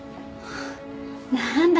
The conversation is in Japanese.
何だ。